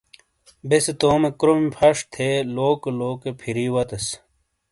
بیسے تومے کروم پھش تھے لوک لوکے پھری وتیس۔